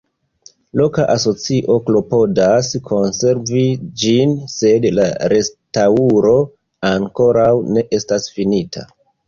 Loka asocio klopodas konservi ĝin, sed la restaŭro ankoraŭ ne estas finita.